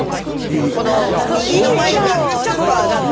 この右の眉がちょっと上がって。